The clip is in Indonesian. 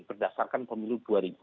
berdasarkan pemilu dua ribu empat belas